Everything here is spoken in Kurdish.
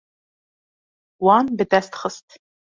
Wan bi dest xist.